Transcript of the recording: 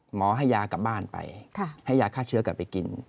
หมอให้ยากลับบ้านไปให้ยาฆ่าเชื้อกลับไปกิน